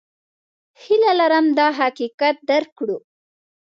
هیله لرم دا حقیقت درک کړو.